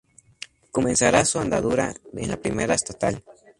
Comenzará su andadura en la Primera Estatal.